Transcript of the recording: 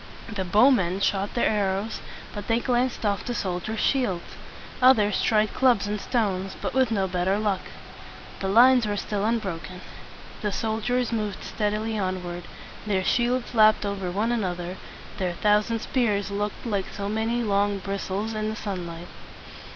The bowmen shot their arrows, but they glanced off from the soldiers' shields. Others tried clubs and stones, but with no better luck. The lines were still un bro ken. The soldiers moved stead i ly onward; their shields lapped over one another; their thousand spears looked like so many long bris tles in the sun light.